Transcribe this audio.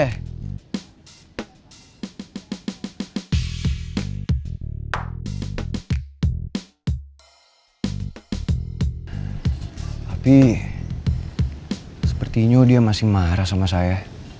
tapi sepertinya dia masih marah sama saya